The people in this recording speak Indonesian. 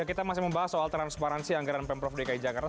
kita masih membahas soal transparansi anggaran pemprov dki jakarta